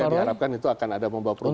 diharapkan itu akan ada membawa perubahan